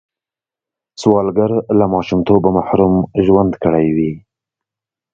سوالګر له ماشومتوبه محروم ژوند کړی وي